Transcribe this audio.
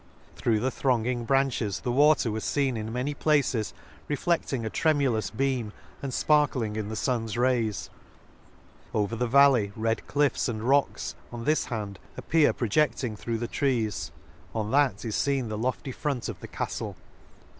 Through the thronging branches the water was feen in many places reflecting a tremulous beam, and fparkling in the fun's rays ;— over the val ley red cliffs and rocks, on this hand ap pear projecting through the trees, on that is feQix the lofty front of the caftle.